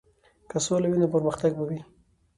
که سوله وي نو پرمختګ به وي.